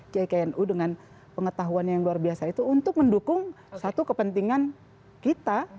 kiknu dengan pengetahuan yang luar biasa itu untuk mendukung satu kepentingan kita